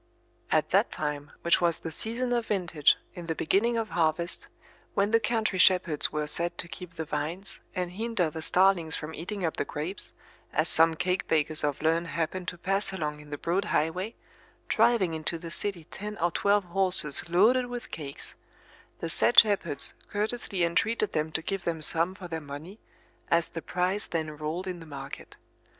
At that time, which was the season of vintage, in the beginning of harvest, when the country shepherds were set to keep the vines, and hinder the starlings from eating up the grapes, as some cake bakers of Lerne happened to pass along in the broad highway, driving into the city ten or twelve horses loaded with cakes, the said shepherds courteously entreated them to give them some for their money, as the price then ruled in the market.